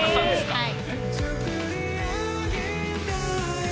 はい。